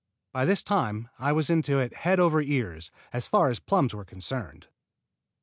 By this time I was into it head over ears, as far as the plums were concerned.